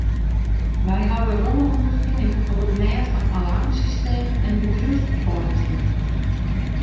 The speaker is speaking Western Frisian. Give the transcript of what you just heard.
Wy hawwe romme ûnderfining op it mêd fan alarmsystemen en bedriuwsbefeiliging.